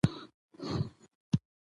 خو په واقعيت کې ضرور نه ده